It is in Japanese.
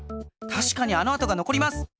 たしかにあのあとがのこります！